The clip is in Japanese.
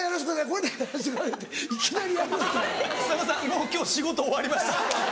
もう今日仕事終わりました。